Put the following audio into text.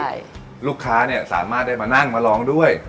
ให้ลูกค้าสามารถได้มานั่งมาร้องด้วย